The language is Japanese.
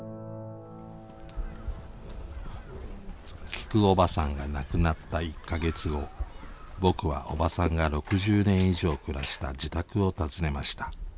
きくおばさんが亡くなった１か月後僕はおばさんが６０年以上暮らした自宅を訪ねました。